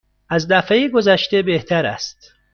از دفعه گذشته بهتر است.